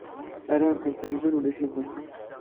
Rran-kent amzun ulac-ikent.